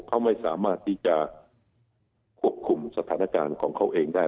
เขาไม่สามารถที่จะควบคุมสถานการณ์ของเขาเองได้